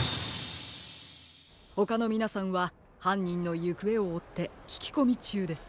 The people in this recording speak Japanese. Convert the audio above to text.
ほかのみなさんははんにんのゆくえをおってききこみちゅうです。